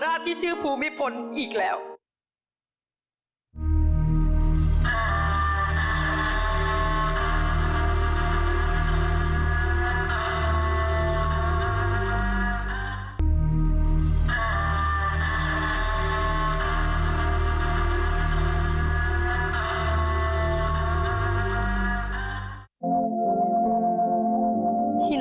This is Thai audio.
ของท่านได้เสด็จเข้ามาอยู่ในความทรงจำของคน๖๗๐ล้านคนค่ะทุกท่าน